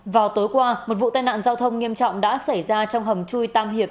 vào tối qua một vụ tai nạn giao thông nghiêm trọng đã xảy ra trong hầm chui tam hiệp